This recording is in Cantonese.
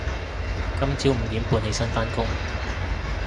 今朝五點半起身返工